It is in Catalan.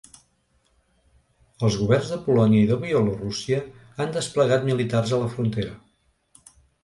Els governs de Polònia i de Bielorússia han desplegat militars a la frontera.